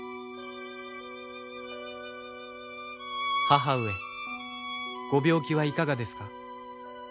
「母上ご病気はいかがですか？